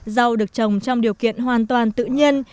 rau được trồng trong điều kiện hoàn toàn tự nhiên